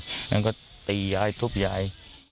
แล้วก็ตีไอธุบไอย